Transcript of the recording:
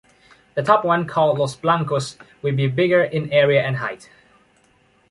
The top one, called “Los Blancos”, will be bigger in area and height.